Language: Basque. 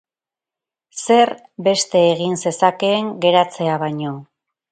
Zer beste egin zezakeen geratzea baino?